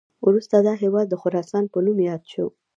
وروسته دا هیواد د خراسان په نوم یاد شو